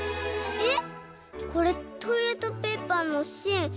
えっ！